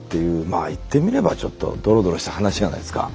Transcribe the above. まあ言ってみればちょっとドロドロした話じゃないですか。